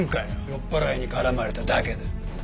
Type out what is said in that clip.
酔っぱらいに絡まれただけだ。